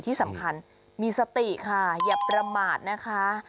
ที่สำคัญมีสติค่ะอย่าประมาทนะคะ